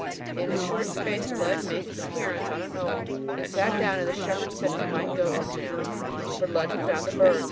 In a short space Lud made his appearance on a knoll, and sat down, and the shepherd said we might go up now, for Lud had found the birds.